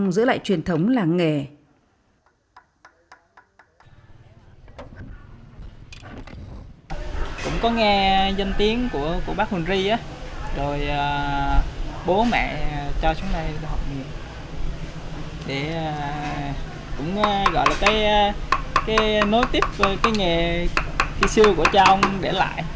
giữ lại truyền thống làng nghề